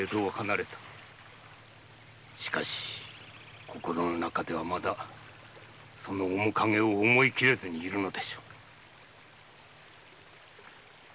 しかし心の中ではまだその面影を思い切れずにいるのでしょう。